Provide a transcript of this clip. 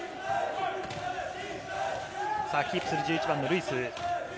キープする１１番のルイス。